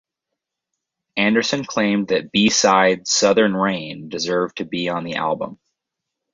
Anderson claimed that b-side "Southern Rain" deserved to be on the album.